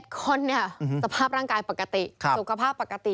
๑๑คนสภาพร่างกายปกติสุขภาพปกติ